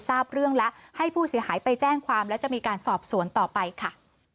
ทราบเรื่องแล้วให้ผู้เสียหายไปแจ้งความและจะมีการสอบสวนต่อไปค่ะ